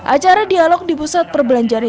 ajaran dialog di pusat perbelanjaan itu